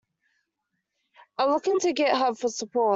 I'll look on Github for support.